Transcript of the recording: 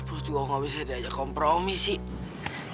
perut gua ga bisa di ajak kompromi sih